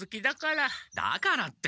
だからって。